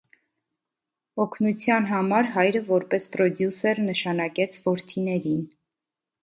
Օգնության համար հայրը որպես պրոդյուսերն նշանակեց որդիներին։